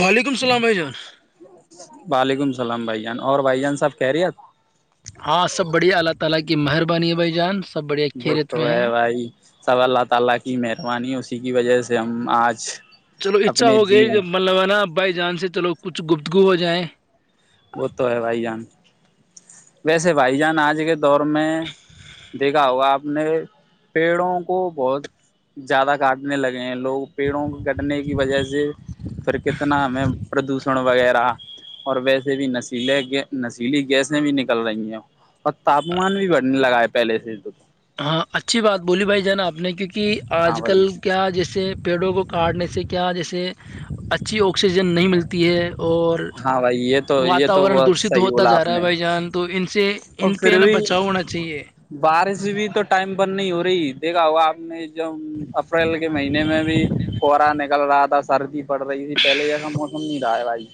وعلیکم السلام عھائی جان وعلیکم السلام بھائی جان اور بھائی جان صاحب کہہ رہی ہیں آپ ہاں سب بڑھیا اللہ تعالی کی مہربانی ہے بھائی جان سب بڑھیا وہ خیریت تو میں ہے بھائی سب اللہ تعالی کی مہربانی اس کی جی کی وجہ سے ہم آج چلو اچھا اپنے ہو گ جیون کہ مطلب ہےا بائی جان سے چلو کچھ گفتگو ہو جائیں وہ تو ہے بھائی جان ویسے بھائی جان آج کے تو دور میں دیکھا ہوگا آپ اپنے پیڑوں کو بہت زیادہ کاٹنے لگے ہیں لوگ پیڑوں کو کٹنے کی وجہ سے پھر کتنا ہمیں پردوشن وغیرہ اور ویسے بھی نشیل نشیلی گیس بھی نکل رہی ہیں اور تاپمان بھی بڑھنے لگا ہے پہلے سے تو ہاں اچھی بات بولی بھائی جناب آپ نہیں کہ کہ ہاں آج کل بھائی کیا جیس سے پیڑوں کو کاٹنے سے کیا جیسے اچھی اوک آکسیجن نہیں ملتی ہے اور ہاں بھائی یہ تو یہ تو واتاورن بہت دوشت صحیح ہوتا بولا جا آپ رہا نے ہے بھائی جان تو ان سے ان پہ نا بچاؤ ہونا چاہیے آر ای سی بھی تو ٹائم پر نہیں ہو رہی دیکھا ہوگا آپ نے اپریل کے مہینے میں بھی کر کل رہا تھا سردی پڑ رہی تھی پہلے جیسا موسم نہیں رہا بھائی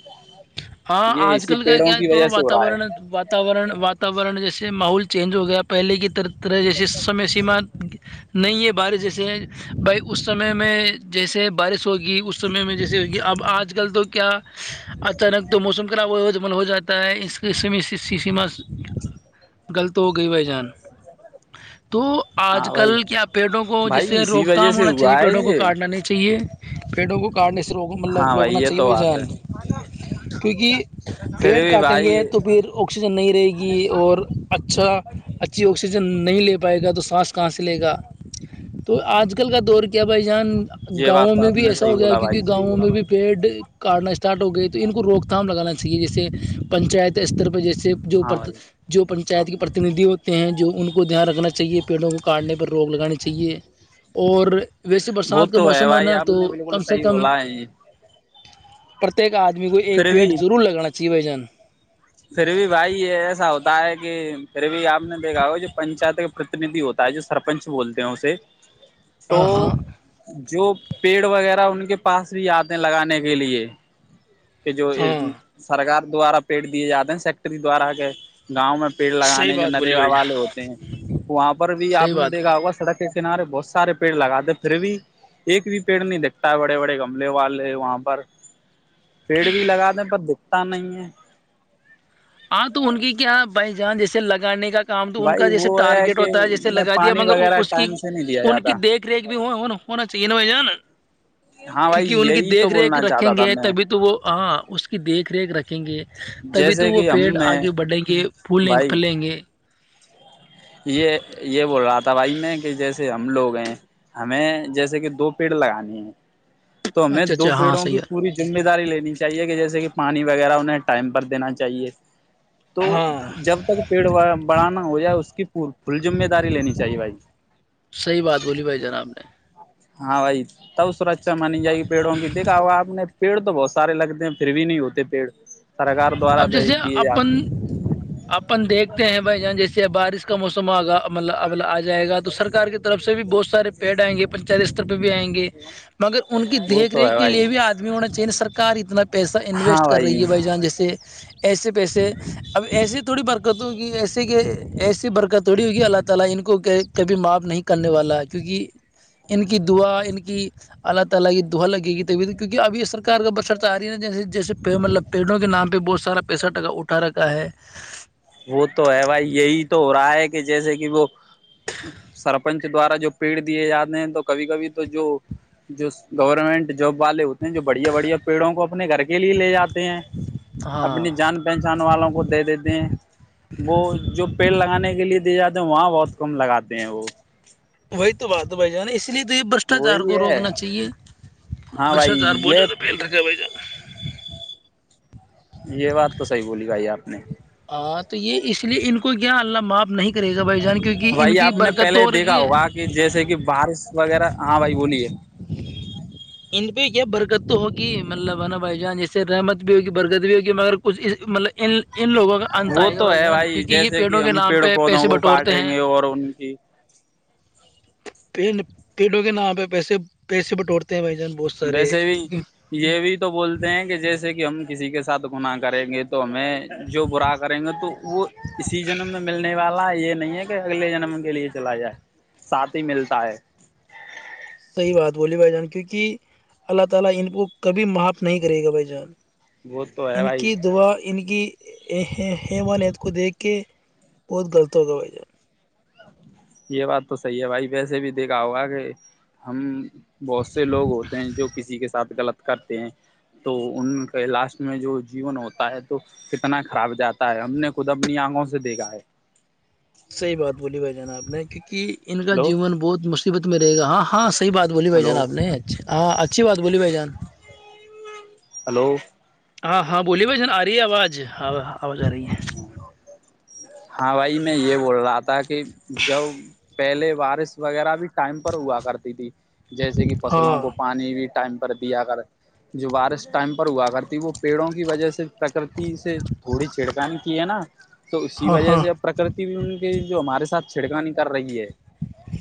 ہاں یہ آج اسی کل کیا پیڑوں کیا ہے کی تھوڑا وجہ سے ہو رہا واتورن ہے واتاور واورن جیسے سے ماحول چینج ہو گیا پہلے کی طر طرح جیس سمے سیم نہیں ہے بارش جیسے بھائی اس سمے میں جیسے بارش ہوگی اس سمے میں جیسے ہوگی اب آج کل تو کیا اچانک تو موسم خراب وجمن ہو جاتا ہے اس سما غلط ہو گئی بائی جان تو آج ہاں بھائی کل کیا پیڑوں کو جیسے بھائی اسی روک وجہ تھام سے ہونا چاہیے ہوا ہے پیڑوں کو یہ کاٹنا نہیں چاہیے پیڈو ب کارنے سے رو مطلب ہاں بھائی روکنا یہ چاہیے تو ہو ج بات ہے کیونکہ پیڑ پھر بھی کاٹیں بھائی گے تو پھر آکسیجن نہیں رہے گی اور اچھا اچھی آکسیجن ن نہیں لے پائے گا تو سانس کہاں سے لے گا تو آج کل کا دور کیا بھائی جان یہ گاؤوں بات میں آپ بھی نے ایسا صحیح ہو گیا بولا ہے بھائی کیک گاؤوں میں بھی پیڈ کاٹنا اسٹارٹ ہو گئی تھی ان کو روک تھام لگانا چاہیے جیسے پنچایت استر پہ جیسے جو پر ہاں بھائی جو پڑ پنچایت کے پرتیندھی ہوتے ہیں جو ان کو دھیان رکھنا چاہیے پیڑوں کو کاٹنے پر روک لگانی چاہیے اور ویسی وہ برسات کا تو موسم ہے بھائی نا آپ تو نے بالکل کم سے صحیح کم بولا ہے پرتیک آدمی کو ایک پھر بھی پیٹ ضر لگان چاہے اچی بجن پھر بھی بھائی یہ ایسا ہوتا ہے کہ پھر بھی آپ ا ہو جو پنچات کے پرتیندھی ہوتا ہے جو سرپنچ بولتے ہیں اسے تو ہاں ہاں جو پیڑ وغیرہ ان کے پاس بھی آتے ہیں لگانے کے لیے کہ جو ہاں سرکار دوارا پیٹ دیے جاتے ہیں ن سیکٹری دوارا کے گاؤں میں پیڑ صحیح لگانے جو بات ندی بولی بھائی جان والے ہوتے ہیں وہاں پر بھی آپ صحیح نے بات بولی دیکھا ہوگا سڑک کے کنارے بہت سارے پیڑ لگاتے پھر بھی ایک بھی پیڑ نہیں دکھتا بڑے بڑے گملے والے وہاں پر پیڑ بھی لگا دیں پر دکھتا نہیں ہے ہاں تو ان کی کیا بہ جان جیسے لگانے کا کام تو ان کا بھائی جیسے وہ ٹارگیٹ کہ ہوتا ہے جیسے انہیں لگا دیا پانی مگر وغیرہ اس کی ٹائم سے نہیں دیا ان جاتا کی دیکھ ریکھ بھی نا ہونا چاہیے ناان نا ہاں کیونکہ بھائی ان کی یہی تو دیکھ ریکھ بولنا چاہتا رکھیں تھا گے میں تبھی تو وہ ہاں اس کی دیکھ ریکھ رکھیں گے تبھی تو جیسے وہ کہ ہم میں آگے بڑھیں گے پھول لیں گے بھائی کلیں گے یہ یہ بول رہا تھا بھائی میں کہ جیسے ہم لوگ ہیں ہمیں جیسے کہ دو پیڑ لگانے ہیں تو ہمیں اچھا دو اچھا ہاں پیڑوں کی صحیح ہے پوری ذمہ داری لینی چاہیے کہ جیسے جے کہ پانی وغیرہ انہیں ٹائم پر دینا چاہیے تو ہاں جب تک پیڑ بڑاانا ہو جائے اس کی فل ذمہ داری لینی چاہیے بھائی صحیح بات بولی بھائی جناب نے ہاں بھائی توب سورج اا مانی جائےی پیڑوں کی دیکا ہو آپ نے پیڑ تو بہت سارے لگتے ہیں پھر بھی نہیں ہوتے پیڑ سرکار دوارا اب جیسے دیے اپن جاتے اپن دیکھتے ہیں بھائی جان جیسے بارش موسم آگا مطلب آ جائے گ تو سرار کی طرف سے بھی بہت سارے پیڈ آئیں گے پنچات استر پہ بھی آئیں گے مگر ان کی وہ دیکھ تو ہے ریکھ کے بھائی لیے بھی آدمی ہونا چاہیے سرک اتنا پیسہ ہاں انویسٹ کر بھائی رہی ہے بھ جان جیسے [unintelligible] پیڑوں کے نام پہ بہت سارا پیسہ ٹکا اٹھا رکھا ہے وہ تو ہے ب یہی تو ہو رہا ہے کہ جیسے کہ وہ سرپنچ دوارا جو پیڑ دیے جاتے ہیں تو کبھی کبھی تو جو جو گورنمنٹ جاب والے ہوتے ہیں جو بڑیا بڑیا پڑوں کو اپنے گھر کے گ لیے لے جات ہیں ہاں اپنی جان پہچان والوں کو دے دیتے ہیں وہ جو پیڑ لگانے کے لیے دیے جاتے ہیں وہاں بہت کم لگاتے ہیں وہ وہی تو بات ہو بھائی جانا اس اس لیے تو یہ برشٹاچار وہی کو ہے روکنا چاہیے ہاں بھائی برشٹاچار بہت یہ زیادہ پیل تھا گ بائی جان یہ بات تو صحیح بولی بھائی آپ نے ہاں تو یہ اس لیے ان کو کو کیا اللہ معاف نہیں کرے گا بھائی جان کے بھائی آپ نے پہلے دیکھا ہوگا کہ جیسے کہ بارش وغیرہ ہاں بھائی بولیے ان پہ کیا برکت تو ہوگی مطلب ہے نا بھائی جان جیسے رحمت بھی ہوگی برکت بھی ہوگی مگر کچھ مطلب ان لوگوں کا انت وہ آئے گا تو ہے جان بھائی کیونکہ یہ جیسے پیڑوں کہ کے ہم نام پیڑ پہ پودوں پیسے کو بٹورتے کاٹیں ہیں گے اور ان کی پڑ پیڑوں کے ن پہ پیسے پیسے بٹورتے ہیں بھائی جان بہت سارے ویسے بھی یہ بھی تو بولتے ہیں کہ جیسے کہ ہم کسی کے ساتھ گنااہ کریں گے تو ہمیں جو برا کریں گے تو وہ اسی جنم میں ملنے والا یہ نہیں ہے کہ اگلے جنم کے لیے چلا جائے ساتھ ہی ملتا ہے صحیح بات بولی بھائی جان کیونکہ اللہ تعا لا ان کو کبھی معاف نہیں کرے گا بھائی جان وہ تو ہے ان بھائی کی دعا ان کی ہیما نت کو دیکھ کے بہت غلط ہوگا بھ جان یہ بات تو صحیح ہے بھائی ویسے بھی دیکھا ہوگا کہ ہم بہت سے لوگ ہوتے ہیں جو کسی کے ساتھ غلط کرتے ہیں تو ان کے لاسٹ میں جو جیون ہوتا ہے تو کتنا خراب جاتا ہے ہم نے خود اپنی آنکھوں سے دیکھا ہے صحی بات بولی بھائی جان آب نہیں کہ کہ ان کا ہلو جیون بہت مصیبت میں رہے گا ہاں ہاں سر حی بات بولی بھائی جان ہلو آپ نے ہاں اچھی بات بولی بھائی جان ہلو ہاں ہاں بولیے بھائی جن آ رہی ہے آوازاں ہو جا رہی ہے ہاں بھائی میں یہ بول رہا تھا کہھر جاؤ پہلے بارش وغیرہ بھی ٹائم پر ہوا کرتی تھی جیسے کہ فصلوں ہاں کو پانی بھی ٹائم پر دیا کر جو وارش ٹائم پر ہوا کرتی وہ پیڑوں کی وجہ سے پرکتی سے تھوڑی سی چھڑکانی کی ہے نا تو اسی ہاں وجہ ہاں سے اب پرکرتی بھی ان کی جو ہمارے ساتھ چھڑکاانی کر رہی ہے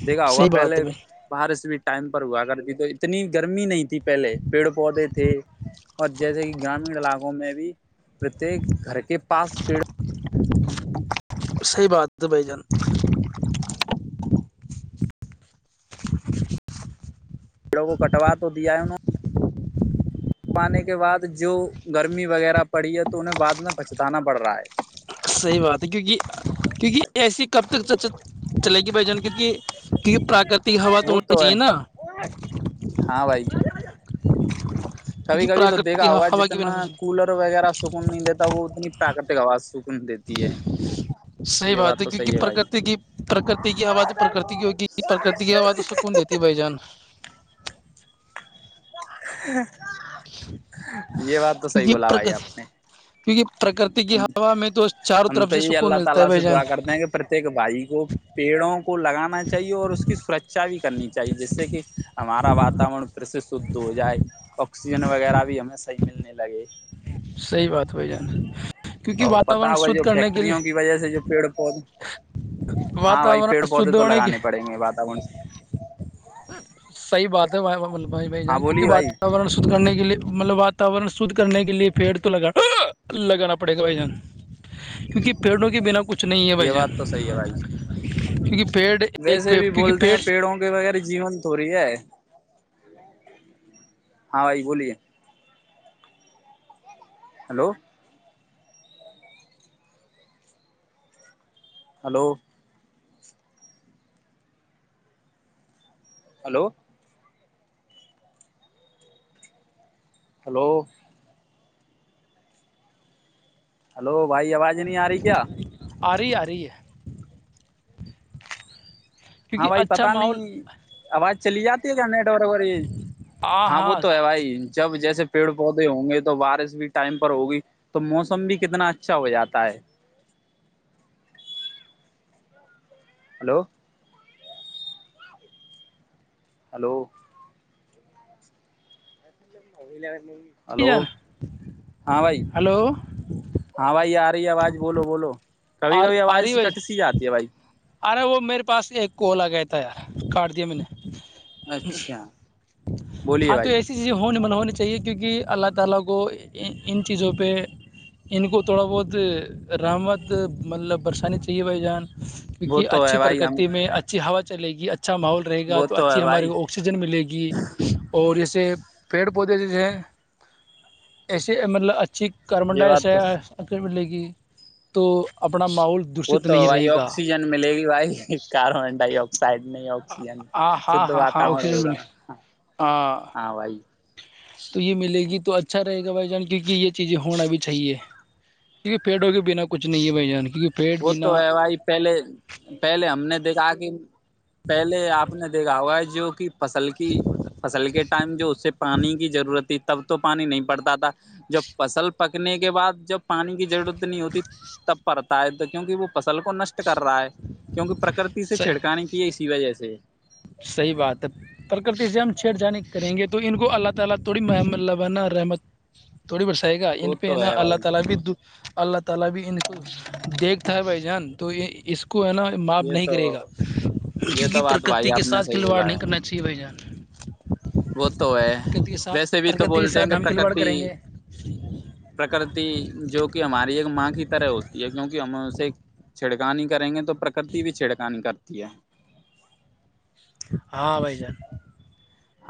دیکھا ہوا صحیح بات پہلے ہے بھائی باہر سے بھی ٹائم پر ہوا اگربھی تو اتنی گرمی نہیں تھی پہلے پیڑ پودے تھے اور جیسے کہ گرامین علاقوں میں بھی پرتیک گھر پانس پیڑا صحی بات بائی جان پیڑوں کو کٹوا تو دیا ہے انہوں نے کے بعد جو گرمی وغیرہ پڑی ہے تو انہیں بعد میں پچتانا پڑ رہا ہے صحیح بات ہے کیونکہ کیونکہ ایسی کب تک چلے گی بھ جان کیونکہ کیونکہ پراک ہوا تو وہ ہونی ہے چاہیے نا ہاں بھائی کبھی کیونکہ کبھی تو پراکرتک دیکھا ہوگا ہوا کے جتنا بنا کچھ نہیں کولر وغیرہ سکون نہیں دیتا وہ اتنی پراکرتک آواز سکون دیتی ہے صحیح یہ بات ہے تو کیونکہ صحیح بھائی پرکرتی کی پرکرتی کی آواز تو پرکرتی کی ہو پرکرتی کی آواز تو سکون دیتی بھائی جان ہوں یہ بات تو صحیح کیونکہ بولا بھائی پرکرتی آپ نے کیونکہ پرکرتی کی ہوا میں تو چاروں ہم طرف تو سے یہ سکون اللہ ملتا ہے تعالی بھائی سے جان دعا کرتے ہیں کہ پرتیک بھائی کو پیڑوں لگانا چاہیے اور اس کی سرکھا بھی کر کرنی چاہیے جس سے کہ ہمارا واورن پرس شھ ہو جائے آکسیجن وغیرہ بھی ہمیں صح ملنے لگے صحیح بات بھائی جان کیونکہ اور واتورن پتا ہوگا شدھ جو کرنے کے فیکٹریوں کی وجہ سے جو لیے پیڑ پودے ہاں بھائی واتورن پیڑ پودے شھ تو ہونے کے لگانے پڑیں گے واتاورن سے صحی بات ط بھائی بھائی ہاں جانتے کہ بولیے بھائی واتاورن شدھنے کے لیے مطلب بات واتاورن سھ کرنے کے لئے پیڑ تو لگانا لگانا پڑے گا بھائی جان کیونکہ پیڑوں کے بنا کچھ نہیں ہے بھائی یہ جان بات تو صحیح ہے بھائی کیونکہ پیڑ ایک ویسے بھی کیونکہ بولتے ہیں پیڑ پیڑوں کے وغیر جیون تھوڑی ہے ہاں بھائی بولیے hello hello hello hello hello بھائی آواز نہیں آ رہی کیا اری آی ہاں کیونکہ بھائی اچھا پتا ماحول نہیں آواز چلی جاتی ہے گا نیٹ ب ہاں وہول تو ہے بھائی جب جیسے پیڑ پودے ہوں گے تو بارش بھی ٹائم پر ہوگی تو موسم بھی کتنا اچھا ہو جاتا ہے ہلو ہلو ا ل کر ہلو جان ہاں بھائی ہلو ہاں بھائی یار ی آواز بولو بولو کبھی آ کبھی آواز رہی بھائی اکٹ جان، س جاتی ہے بھائی ارے وہ میرے پاس ایک کوال آ گیا تھا یار کاٹ دیا میں نے ہ اچھا بولیے ہاں تو بھائی ایسی چیزیں ہونے من ہونی چاہیے کہ کیونکہ اللہ تعالا کو ان چیزوں پہ ان کو تھوڑا بہت رحمت مطلب برسانی چاہیے بھائی جان کیونک وہ تو ہے اچھی بھائی ہم پرکرتی میں ا ا ہوا چے گی اچا اچھا ماحول رہے گا وہ تو ہے اچھی ہمارے بھائی کو آکسیجن ملے گی اور یہ پیڑ پودے جسے ایسے مطلب اچھے چیک کاربن یہ ڈائی بات تو آسائڈ ملے گی تو اپنا ماحول وہ دوشت تو نہیں رہے بھائی گا آکسیجن ملے گی بھائی کاربن ڈائیکسائڈ نہیں آکسیجن ہاں ہاں شھ ہاں ہاں واتورن آکسیجن ہوگا ملے ہاں بھائی تو یہ ملے گی تو اچھا رہے گا بھائی جان کیونکہ یہ چیزیں ہونا بھی چاہیے کیونکہ پیڑوں کے بنا کچھ نہیں ہے بھائی جان کے وہ تو ہے بھائی پہلے پہلے ہم نے دیکھا کہ پہلے آپ نے دیکھا ہوا ہے جو کہ فصل کی فصل کے ٹائم جو اس سے پانی کی ضرورت ہی تب تو پانی نہیں پڑتا تھا جب فصل پکنے کے بعد جب پانی کی ضرورت نہیں ہوتی تب پڑتا کیونکہ وہ فصل کو نش کر رہا ہے کیونکہ پرکرتی سے چھڑکانانی کی ہے اسی وجہ سے [inaudible] بڑی برسائے گا ان وہ پہ تو نا ہے اللہ بھائی تعالی کی اللہ تعالی بھی ان کو دیکھتا ہے بھائی جان تو یہ اس ہے نا معاف یہ نہیں تو کرے گا یہ تو کیونک بات بھائی پرکتی آپ نے صحیح سھلواڑ بولا نہیں ہے کر چاہیے جان وہ تو ہے پرکرتی کے ساتھ ویسے بھی تو پرکرتی کے بولتے ہیں ساتھ کہ ہم کھلواڑ پرکرتی کریں گے پرکرتی جو کہ ہماری ایک ماں کی طرح ہوتی ہے کیونکہ ہم اس سے چھڑکانی کریں گے تو پرکرتی بھی چھڑکانی کرتی ہے ہاں بھائی جان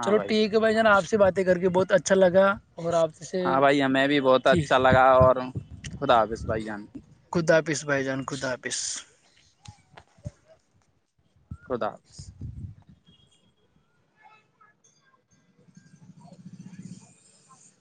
چلو ٹھیک ہے بھائی ج ن آپ سے بات کر کے بہت اچھا لگا اور آپ سے ہاں بھائی ہمیں بھی بہت اچھا ٹھیک لگا اور خدا حافظ بھائی ہم آپس بھائی جان خدا ہپس خدا